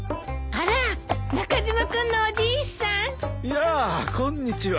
やあこんにちは。